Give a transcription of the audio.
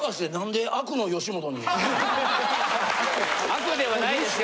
悪ではないですよ。